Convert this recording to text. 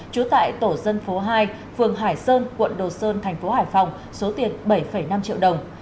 trú tại tổ dân phố hai phường hải sơn quận đồ sơn thành phố hải phòng số tiền bảy năm triệu đồng